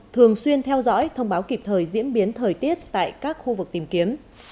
thường xuyên theo dõi thông báo kịp thời diễn biến thời tiết tại các khu vực tìm kiếm